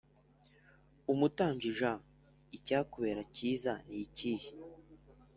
umutambyi j Icyakubera cyiza ni ikihe